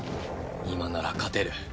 今なら勝てる。